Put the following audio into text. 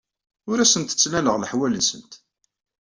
Ur asent-ttnaleɣ leḥwal-nsent.